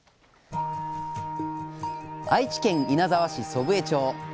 愛知県稲沢市祖父江町。